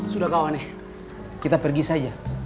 sudah kawannya kita pergi saja